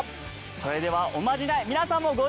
それではおまじない皆さんもご唱和ください。